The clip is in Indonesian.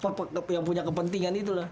tapi yang punya kepentingan itu lah